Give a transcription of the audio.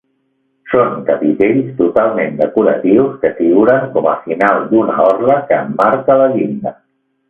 Són capitells totalment decoratius que figuren com a final d'una orla que emmarca la llinda.